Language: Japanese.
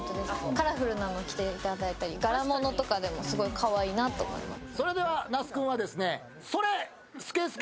カラフルなの着ていただいたり柄物とかでもすごいかわいいなと思います。